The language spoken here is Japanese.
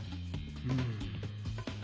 うん。